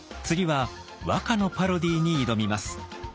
次は和歌のパロディーに挑みます。